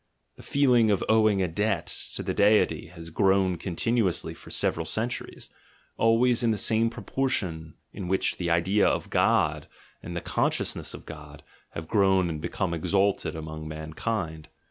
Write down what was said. The feeling of owing a debt to the deity has grown continuously for several cen turies, always in the same proportion in which the idea of God and the consciousness of God have grown and become exalted among mankind.